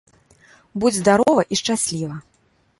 Будзь здарова і шчасліва!